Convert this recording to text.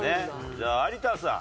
じゃあ有田さん。